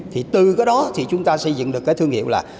thì từ cái đó thì chúng ta xây dựng được cái thương hiệu là